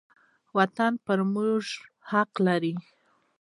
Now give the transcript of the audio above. وطن پر موږ حق لري.